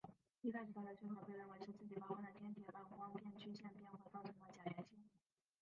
一开始它的讯号被认为是自己发光的天体让光变曲线变化造成的假阳性。